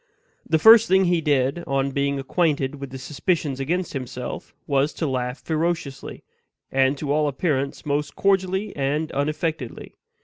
The first thing he did, on being acquainted with the suspicions against himself, was to laugh ferociously, and to all appearance most cordially and unaffectedly.